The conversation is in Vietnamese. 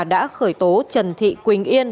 đã khởi tố trần thị quỳnh yên